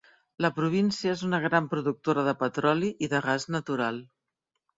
La província és una gran productora de petroli i de gas natural.